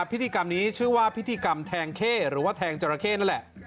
พิธีกรรมนี้ชื่อว่าพิธีกรรมแทงเข้หรือว่าแทงจราเข้นั่นแหละ